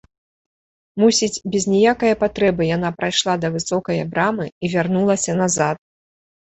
Мусіць, без ніякае патрэбы яна прайшла да высокае брамы і вярнулася назад.